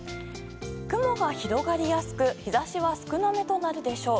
雲が広がりやすく日差しは少なめとなるでしょう。